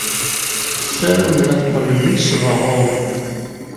Ssaramen ad qqlen d inesbaɣuren.